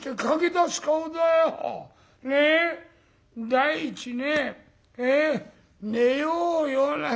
第一ね『寝ようよ』なんてさ